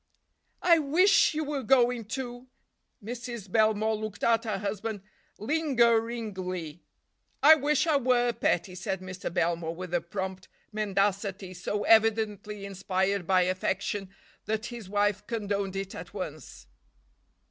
"I wish you were going, too." Mrs. Belmore looked at her husband lingeringly. "I wish I were, petty," said Mr. Belmore with a prompt mendacity so evidently inspired by affection that his wife condoned it at once.